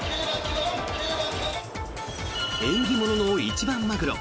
縁起物の一番マグロ。